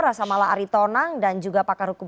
rasamala aritonang dan juga pakar hukum